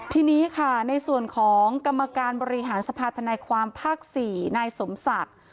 ทีนี้ค่ะในส่วนของกรรมการบริหารสภาธนายความภาค๔นายสมศักดิ์